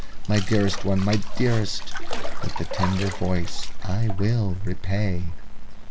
My dearest one, my dearest with the tender voice, I will repay."